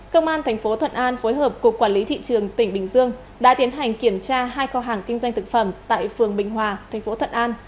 công an tp thuận an phối hợp cục quản lý thị trường tỉnh bình dương đã tiến hành kiểm tra hai kho hàng kinh doanh thực phẩm tại phường bình hòa thành phố thuận an